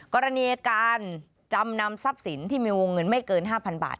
กรณีการจำนำทรัพย์สินที่มีวงเงินไม่เกิน๕๐๐บาท